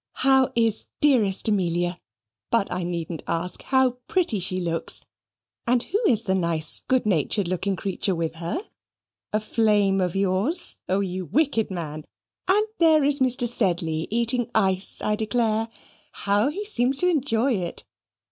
"How is dearest Amelia? But I needn't ask: how pretty she looks! And who is that nice good natured looking creature with her a flame of yours? O, you wicked men! And there is Mr. Sedley eating ice, I declare: how he seems to enjoy it!